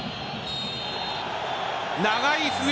長い笛。